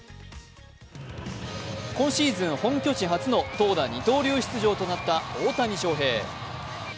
今シーズン本拠地初の投打二刀流出場となった大谷翔平。